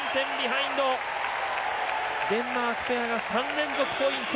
デンマークペアが３連続ポイント。